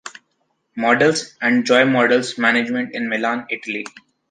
Models, and Joy Models Management in Milan, Italy.